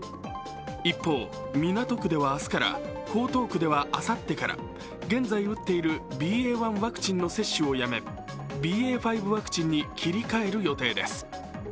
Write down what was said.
一方、港区では明日から江東区ではあさってから、現在打っているＢＡ．１ワクチンをやめＢＡ．５ワクチンに切り替える予定です。